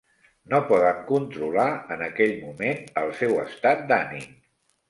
No poden controlar en aquell moment el seu estat d'ànim.